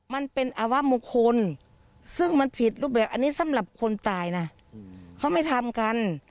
มันเป็นอวะมงคลซึ่งมันผิดรูปแบบอันนี้สำหรับคนตายนะเขาไม่ทำกัน